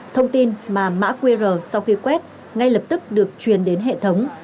thông tin mà mã qr sau khi quét ngay lập tức được truyền đến hệ thống